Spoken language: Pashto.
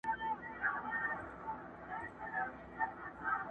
زه سجدې ته وم راغلی تا پخپله یم شړلی٫